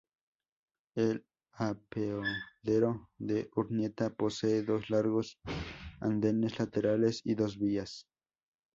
El apeadero de Urnieta posee dos largos andenes laterales y dos vías.